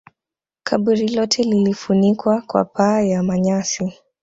kaburi lote lilifunikwa kwa paa ya manyasi